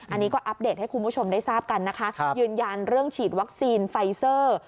อันนี้ก็อัปเดตให้คุณผู้ชมได้ทราบกันนะคะยืนยันเรื่องฉีดวัคซีนไฟเซอร์